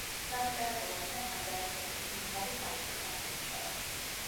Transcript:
სალიტერატურო ენა სტანდარტიზაციის მაღალი ხარისხით გამოირჩევა.